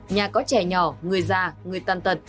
nhà có trẻ nhỏ người già người tàn tật